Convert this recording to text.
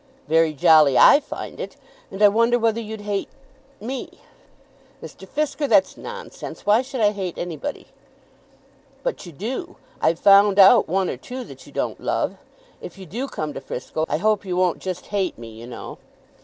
"Very jolly I find it. And I wonder whether you'd hate me?" "Mr. Fisker, that's nonsense. Why should I hate anybody?" "But you do. I've found out one or two that you don't love. If you do come to Frisco, I hope you won't just hate me, you know."